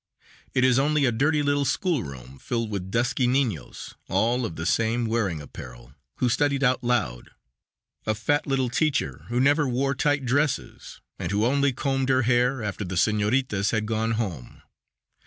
It is only of a dirty little schoolroom filled with dusky ninos, all of the same wearing apparel, who studied "out loud;" a fat little teacher who never wore tight dresses, and who only combed her hair "after the senoritas had gone home."